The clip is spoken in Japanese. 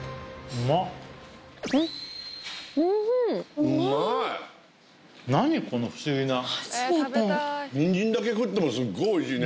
うまいね。